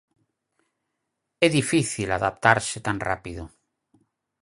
É difícil adaptarse tan rápido.